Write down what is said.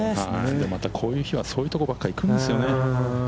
また、こういう日はそういうところばかり行くんですよね。